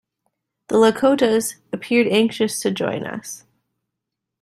The Lakotas "... appeared anxious to join us".